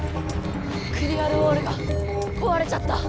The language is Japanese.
クリアルウォールがこわれちゃった！